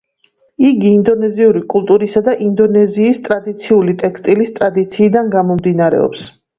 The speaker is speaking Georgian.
იგი ინდონეზიური კულტურისა და ინდონეზიის ტრადიციული ტექსტილის ტრადიციიდან გამომდინარეობს.